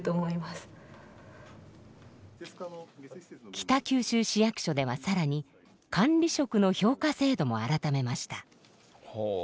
北九州市役所では更に管理職の評価制度も改めました。